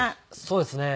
そうですね。